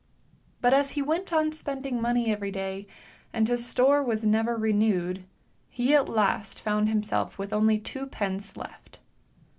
But as he went on spending money every day and his store was never renewed, he at last found himself with only two pence left.